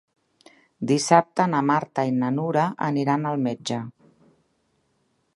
Dissabte na Marta i na Nura aniran al metge.